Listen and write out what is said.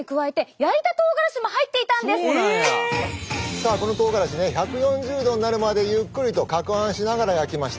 さあこのとうがらしね１４０℃になるまでゆっくりとかくはんしながら焼きました。